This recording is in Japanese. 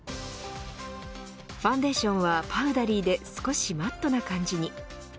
ファンデーションはパウダリーで少しマットな感じに。